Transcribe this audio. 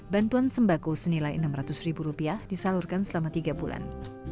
bantuan sembako senilai rp enam ratus ribu rupiah disalurkan selama tiga bulan